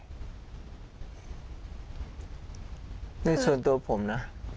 ในส่วนตัวผมนะ